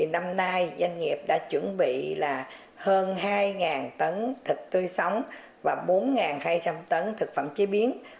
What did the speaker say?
năm nay doanh nghiệp đã chuẩn bị hơn hai tấn thịt tươi sống và bốn hai trăm linh tấn thực phẩm chế biến